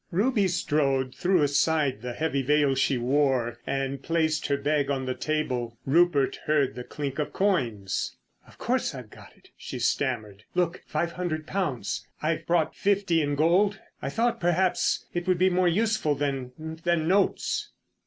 Ruby Stroke threw aside the heavy veil she wore and placed her bag on the table. Rupert heard the clink of coins. "Of course, I've got it," she stammered. "Look! Five hundred pounds. I've brought fifty in gold. I thought, perhaps, it would be more useful than—than notes."